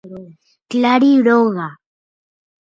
Clari róga.